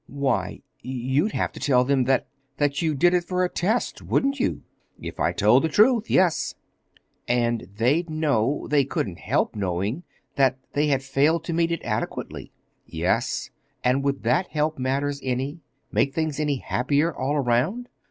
"Why, you'd have to tell them that—that you did it for a test, wouldn't you?" "If I told the truth—yes." "And they'd know—they couldn't help knowing—that they had failed to meet it adequately." "Yes. And would that help matters any—make things any happier, all around?"